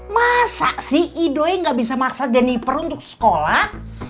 masa sih idoi gak bisa maksa jennifer untuk sekolah